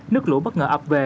nước lũ bất ngờ ập về